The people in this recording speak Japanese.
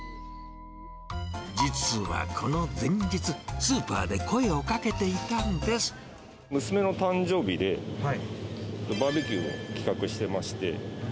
実はこの前日、スーパーで声をか娘の誕生日で、バーベキューを企画してまして。